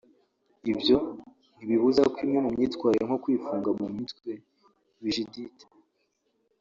ibyo ntibibuza ko imwe mu myitwarire nko kwifunga mu mutwe(rigidite)